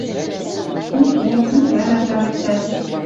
Ни ом, ни кӓнӓш даже чӓс.